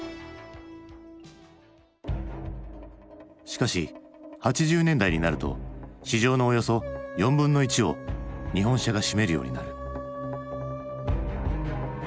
しかし８０年代になると市場のおよそ４分の１を日本車が占めるようになる。